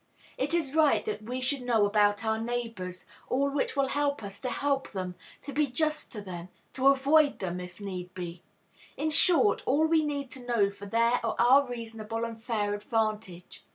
It is right that we should know about our neighbors all which will help us to help them, to be just to them, to avoid them, if need be; in short, all which we need to know for their or our reasonable and fair advantage.